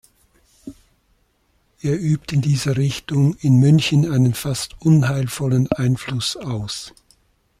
Er übt in dieser Richtung in München einen fast unheilvollen Einfluß aus“.